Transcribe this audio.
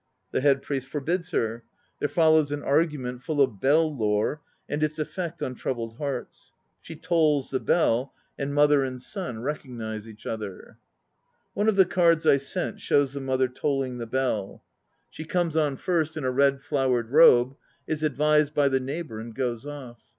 The head priest forbids her. There follows an argument full of bell lore, and its effect on troubled hearts. She t<>IU the bell, and mother and son recognize earh .ii "One of the cards I sent shows the mother tolling the bell. She 268 THE NO PLAYS OF JAPAN comes on first in a red flowered robe, is advised by the neighbour and goes off.